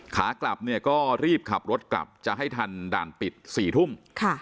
ขากลับเนี่ยก็รีบขับรถกลับจะให้ทันด่านปิด๔ทุ่ม